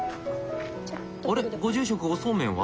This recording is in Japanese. あれっご住職おそうめんは？